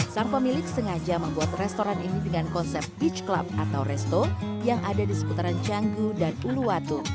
sang pemilik sengaja membuat restoran ini dengan konsep beach club atau resto yang ada di seputaran canggu dan uluwatu